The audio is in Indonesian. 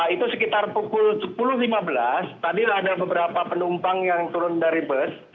itu sekitar pukul sepuluh lima belas tadilah ada beberapa penumpang yang turun dari bus